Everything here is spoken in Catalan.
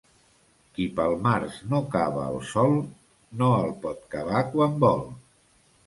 Qui pel març no cava el sòl, no el pot cavar quan vol.